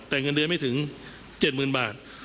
แต่เงินเดือนไม่ถึง๗๐๐๐บาท